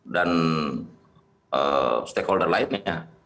dan stakeholder lainnya